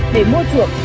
để môi trường